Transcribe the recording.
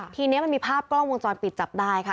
ทีนี้มันมีภาพกล้องวงจรปิดจับได้ค่ะ